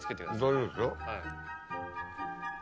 大丈夫ですよ。